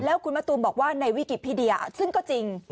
แล้วคุณมะตูมบอกว่าในวิกฤติพิเดียซึ่งก็จริง